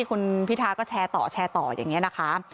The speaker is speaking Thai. คุณพิทาก็แชร์ต่อแชร์ต่ออย่างนี้นะคะ